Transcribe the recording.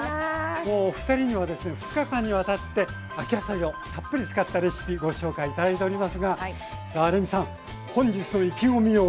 お二人にはですね２日間にわたって秋野菜をたっぷり使ったレシピご紹介頂いておりますがさあレミさん本日の意気込みを。